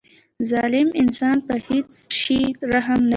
ظالم انسان په هیڅ شي رحم نه کوي.